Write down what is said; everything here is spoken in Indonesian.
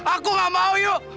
aku gak mau yu